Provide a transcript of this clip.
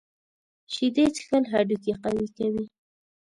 شیدې څښل هډوکي قوي کوي.